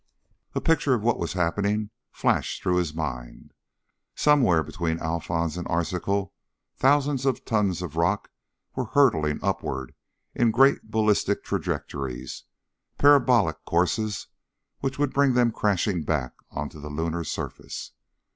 A picture of what was happening flashed through his mind. Somewhere between Alphons and Arzachel thousands of tons of rock were hurtling upward in great ballistic trajectories, parabolic courses which would bring them crashing back onto the lunar surface.